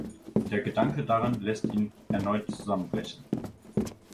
Der Gedanke daran lässt ihn erneut zusammenbrechen.